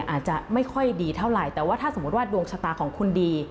อาจจะไม่ค่อยดีเท่าไหร่แต่ว่าถ้าสมมุติว่าดวงชะตาของคุณดี